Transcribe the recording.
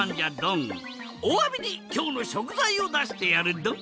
おわびにきょうのしょくざいをだしてやるドン！